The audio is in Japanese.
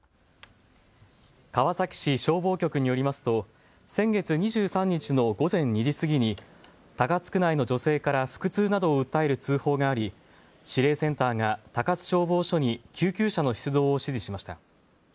川崎市消防局によりますと先月２３日の午前２時過ぎに高津区内の女性から腹痛などを訴える通報があり指令センターが高津消防署に救急車の出動を指示しました。